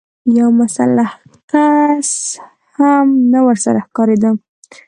يو مسلح کس هم نه ورسره ښکارېده.